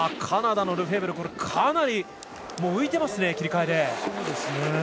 カナダのルフェーブルはかなり浮いてますね、切り替えで。